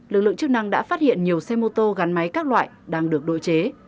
lực lượng chức năng đã phát hiện nhiều xe mô tô gắn máy các loại đang được đội chế